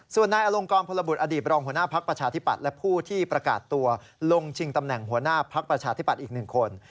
ส่วนนายอลงกรพลบุตรอดีตรองหัวหน้าภักดิ์ประชาธิปัตย์และผู้ที่ประกาศตัวลงชิงตำแหน่งหัวหน้าพักประชาธิปัตย์อีก๑คน